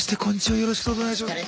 よろしくお願いします。